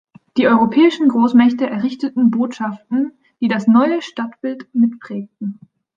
Die europäischen Großmächte errichteten Botschaften, die das neue Stadtbild mitprägten.